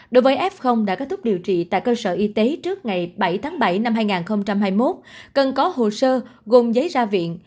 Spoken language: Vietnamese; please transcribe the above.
đối với f đã kết thúc điều trị tại cơ sở y tế trước ngày bảy tháng bảy năm hai nghìn hai mươi một cần có hồ sơ gồm giấy ra viện